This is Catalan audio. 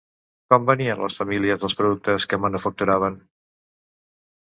Com venien les famílies els productes que manufacturaven?